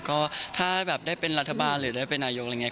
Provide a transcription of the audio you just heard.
ก็ถ้าแบบได้เป็นรัฐบาลหรือได้เป็นนายกอะไรอย่างนี้